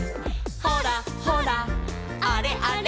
「ほらほらあれあれ」